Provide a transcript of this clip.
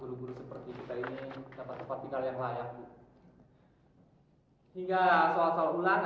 guru guru seperti kita ini dapat sempat tinggal yang layak bu